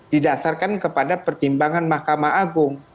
didasarkan kepada pertimbangan mahkamah agung